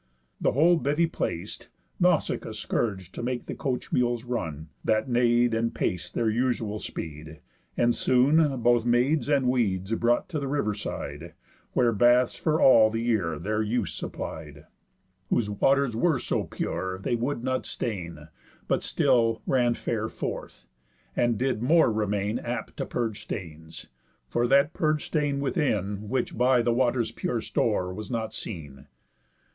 The whole bevy plac'd, Nausicaa scourg'd to make the coach mules run, That neigh'd, and pac'd their usual speed, and soon Both maids and weeds brought to the river side, Where baths for all the year their use supplied, Whose waters were so pure they would not stain, But still ran fair forth, and did more remain Apt to purge stains, for that purg'd stain within, Which by the water's pure store was not seen.